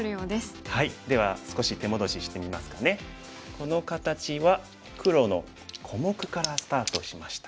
この形は黒の小目からスタートしました。